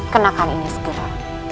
kenakan ini segera